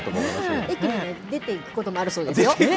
駅を出ていくこともあるそうですよ。